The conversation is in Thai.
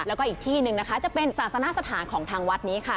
แล้วก็อีกที่หนึ่งนะคะจะเป็นศาสนสถานของทางวัดนี้ค่ะ